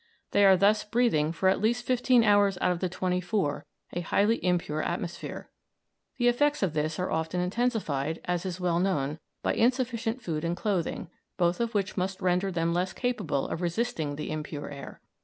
They are thus breathing for at least fifteen hours out of the twenty four a highly impure atmosphere. The effects of this are often intensified, as is well known, by insufficient food and clothing, both of which must render them less capable of resisting the impure air.